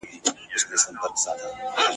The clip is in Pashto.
په واړه کور کي له ورور سره دښمن یو ..